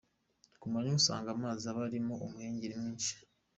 Ku manywa usanga amazi aba arimo umuhengeri mwinshi.